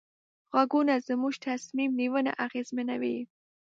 غږونه زموږ تصمیم نیونه اغېزمنوي.